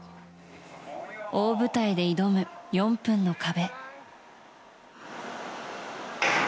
大舞台で挑む４分の壁。